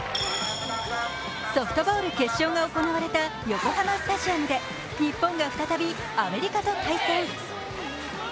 ソフトボール決勝が行われた横浜スタジアムで日本が再びアメリカと対戦。